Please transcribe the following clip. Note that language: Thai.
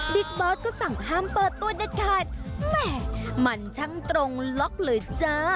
ดิกบอสก็สั่งห้ามเปิดตัวเนื้อค่ะแหมหมั่นชั่งตรงล็อกเลยจ๊ะ